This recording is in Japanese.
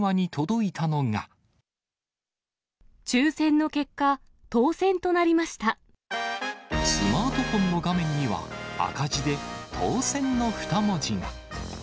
抽せんの結果、当せんとなりスマートフォンの画面には、赤字で、当せんの２文字が。